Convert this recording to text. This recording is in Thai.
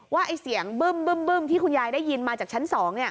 ไอ้เสียงบึ้มที่คุณยายได้ยินมาจากชั้น๒